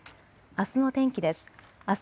あすの天気です。